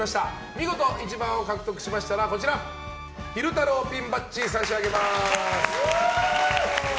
見事、１番を獲得しましたら昼太郎ピンバッジを差し上げます。